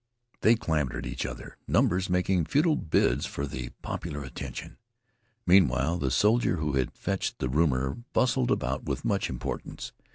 They clamored at each other, numbers making futile bids for the popular attention. Meanwhile, the soldier who had fetched the rumor bustled about with much importance.